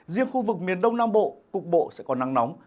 riêng khu vực miền đông nam bộ cục bộ sẽ còn nắng nóng